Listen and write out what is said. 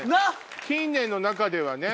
近年の中ではね。